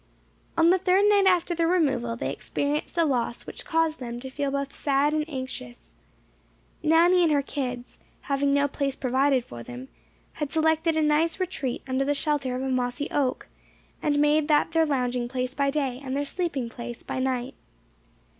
On the third night after their removal, they experienced a loss which caused them to feel both sad and anxious. Nanny and her kids, having no place provided for them, had selected a nice retreat under the shelter of a mossy oak, and made that their lounging place by day, and their sleeping place by night.